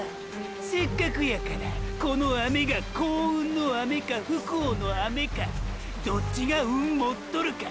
せっかくやからこの雨が幸運の雨か不幸の雨かどっちが運もっとるか？